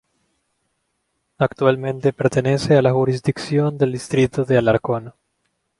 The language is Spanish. Actualmente pertenece a la jurisdicción del distrito de Alarcón.